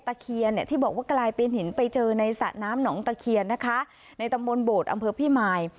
เคียนเนี่ยที่บอกว่ากลายเป็นหินไปเจอในสระน้ำหนองตะเคียนนะคะในตำบลโบดอำเภอพี่มาย